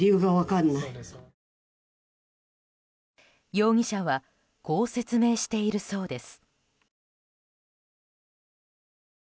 容疑者はこう説明しているそうです。